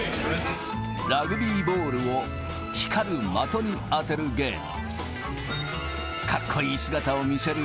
ラグビーボールを、光る的に当てるゲーム。